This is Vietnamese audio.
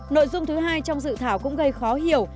nội dung thứ hai trong dự thảo cũng gây khó hiểu